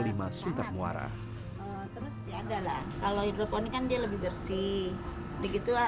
kalau hidroponik kan dia lebih bersih